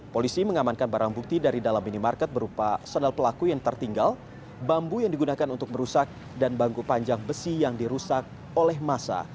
polisi mengamankan barang bukti dari dalam minimarket berupa sendal pelaku yang tertinggal bambu yang digunakan untuk merusak dan bangku panjang besi yang dirusak oleh masa